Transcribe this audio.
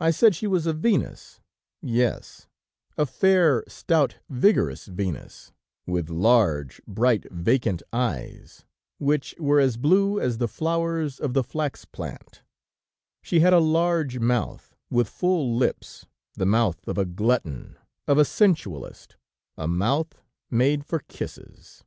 I said she was a Venus; yes, a fair, stout, vigorous Venus, with large, bright, vacant eyes, which were as blue as the flowers of the flax plant; she had a large mouth with full lips, the mouth of a glutton, of a sensualist, a mouth made for kisses.